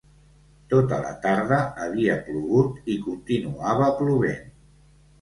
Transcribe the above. Tota la tarda havia plogut i continuava plovent.